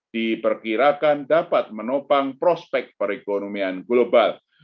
diperkirakan dapat menopang prospek perekonomian global